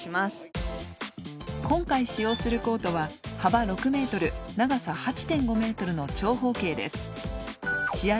今回使用するコートははば６ｍ長さ８．５ｍの長方形です。